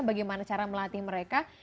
bagaimana cara melatih mereka